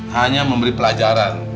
hanya memberi pelajaran